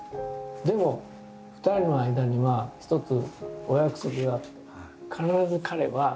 でも２人の間には一つお約束があって。